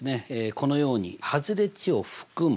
このように外れ値を含む